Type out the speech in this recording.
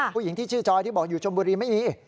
ผู้หญิงที่ชื่อจอยที่บอกอยู่ชมบุรีไม่มี